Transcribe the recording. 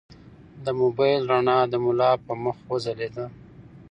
د موبایل رڼا د ملا په مخ وځلېده.